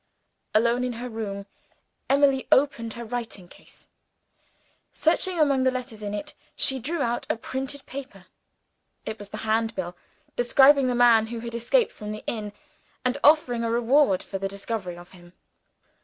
Alone in her room, Emily opened her writing case. Searching among the letters in it, she drew out a printed paper. It was the Handbill describing the man who had escaped from the inn, and offering a reward for the discovery of him.